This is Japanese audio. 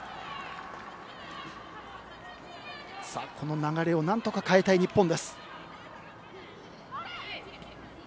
この流れを何とか変えたい日本。